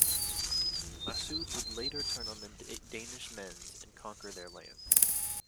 Masud would later turn on the Danishmends and conquer their lands.